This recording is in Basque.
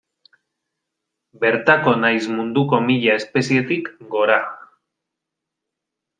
Bertako nahiz munduko mila espezietik gora.